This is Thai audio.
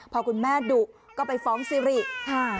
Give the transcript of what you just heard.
พอคุณแม่ดุก็ไปฟ้องซีรีย์